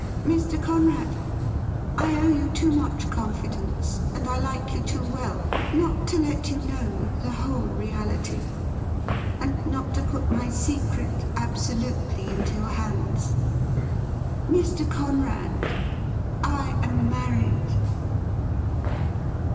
Mr. Conrad, I owe you too much confidence, and I like you too well, not to let you know the whole reality, and not to put my secret absolutely into your hands. Mr. Conrad, I am married